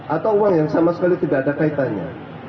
atau uang yang sama sekali tidak ada kaitannya